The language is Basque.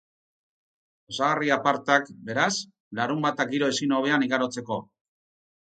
Osagarri apartak, beraz, larunbata giro ezin hobean igarotzeko.